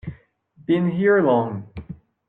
Been here long?